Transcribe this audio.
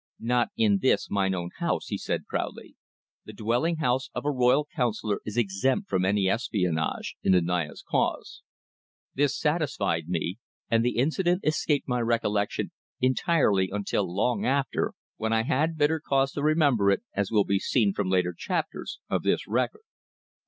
"Not in this mine own house," he answered proudly. "The dwelling house of a royal councillor is exempt from any espionage in the Naya's cause." This satisfied me, and the incident escaped my recollection entirely until long after, when I had bitter cause to remember it, as will be seen from later chapters of this record.